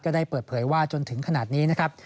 ได้เปิดเผยว่าจนถึงขนาดนี้นะครับ